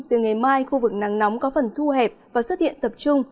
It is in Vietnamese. từ ngày mai khu vực nắng nóng có phần thu hẹp và xuất hiện tập trung